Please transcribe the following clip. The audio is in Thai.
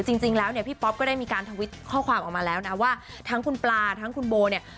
จริงแล้วเนี่ยพี่ป๊อปก็ได้มีการทวิตข้อความออกมาแล้วนะว่าทั้งคุณปลาทั้งคุณโบเนี่ย